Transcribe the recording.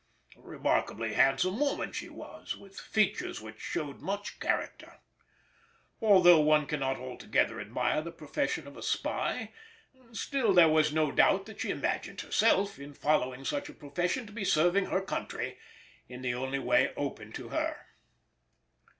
A remarkably handsome woman she was, with features which showed much character. Although one cannot altogether admire the profession of a spy, still there was no doubt that she imagined herself in following such a profession to be serving her country in the only way open to her.